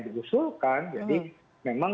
digusulkan jadi memang